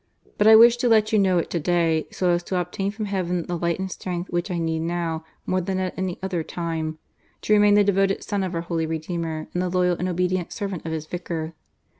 But I wished to let you know it to day, so as to obtain from Heaven the light and strength which I need now, more than at any other time, to remain the devoted son of our Holy Redeemer and the loyal and obedient servant of His Vicar.